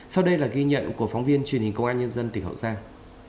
sau đây là ghi nhận của phóng viên truyền hình công an nhân dân tỉnh hậu giang